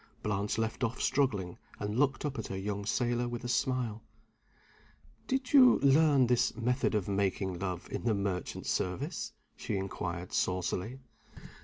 Blanche left off struggling, and looked up at her young sailor with a smile. "Did you learn this method of making love in the merchant service?" she inquired, saucily.